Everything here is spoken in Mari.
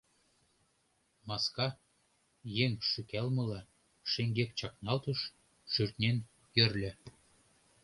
Маска, еҥ шӱкалмыла, шеҥгек чакналтыш, шӱртнен йӧрльӧ.